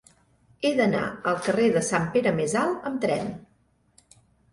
He d'anar al carrer de Sant Pere Més Alt amb tren.